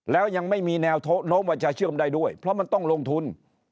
แล้วยังไม่มีแนวโน้มว่าจะเชื่อมได้ด้วยเพราะมันต้องลงทุน